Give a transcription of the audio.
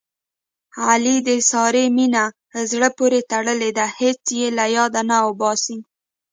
علي د سارې مینه زړه پورې تړلې ده. هېڅ یې له یاده نه اوباسي.